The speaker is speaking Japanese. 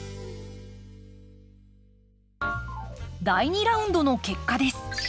第２ラウンドの結果です。